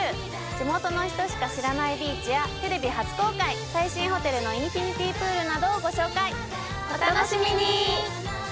地元の人しか知らないビーチやテレビ初公開最新ホテルのインフィニティプールなどをご紹介お楽しみに！